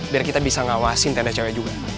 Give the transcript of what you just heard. biar kita bisa ngawasin tenda cewek juga